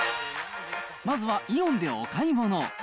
まずはイオンでお買い物。